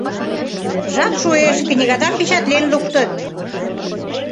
Жап шуэш, книгадам печатлен луктыт!